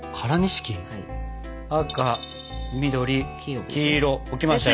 赤緑黄色置きましたよ。